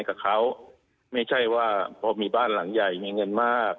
กับเขาไม่ใช่ว่าพอมีบ้านหลังใหญ่มีเงินมาก